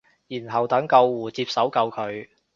然後等救護接手救佢